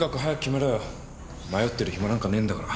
迷ってる暇なんかねえんだから。